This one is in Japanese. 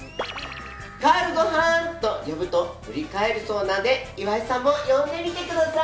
カウル、ごはん！と呼ぶと振り返るそうなので岩井さんも呼んでみてください！